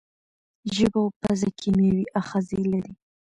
ژبه او پزه کیمیاوي آخذې لري.